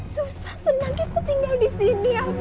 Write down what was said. susah senang kita tinggal di sini